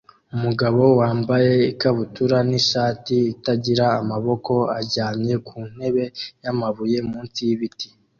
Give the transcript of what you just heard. Umugabo wambaye ikabutura n'ishati itagira amaboko aryamye ku ntebe y'amabuye munsi y'ibiti